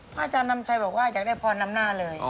อาจารย์นำชัยบอกว่าอยากได้พรนำหน้าเลย